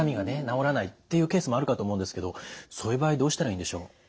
治らないっていうケースもあるかと思うんですけどそういう場合どうしたらいいんでしょう？